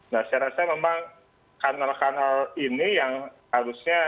nah saya rasa memang kanal kanal ini yang harusnya